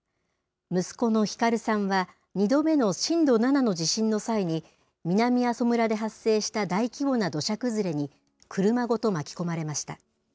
息子の晃さんは、２度目の震度７の地震の際に、南阿蘇村で発生した大規模な土砂崩れに、車ごと巻き込まれました。